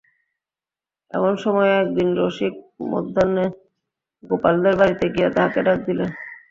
এমন সময়ে একদিন রসিক মধ্যাহ্নে গোপালদের বাড়িতে গিয়া তাহাকে ডাক দিল।